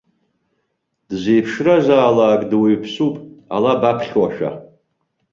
Дзеиԥшразаалак, дуаҩԥсуп, ала баԥхьошәа.